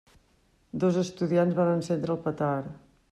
Dos estudiants van encendre el petard.